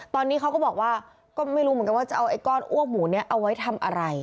ตอนนี้เขาก็บอกว่าก็ไม่รู้เหมือนกันว่าจะเอาไอ้ก้อนอ้วกหมูนี้เอาไว้ทำอะไร